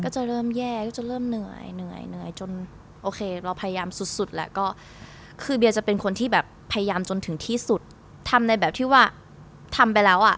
จะเริ่มแย่ก็จะเริ่มเหนื่อยเหนื่อยจนโอเคเราพยายามสุดสุดแล้วก็คือเบียจะเป็นคนที่แบบพยายามจนถึงที่สุดทำในแบบที่ว่าทำไปแล้วอ่ะ